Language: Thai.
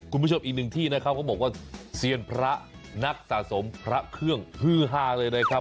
คุณผู้ชมอีกหนึ่งที่นะครับเขาบอกว่าเซียนพระนักสะสมพระเครื่องฮือฮาเลยนะครับ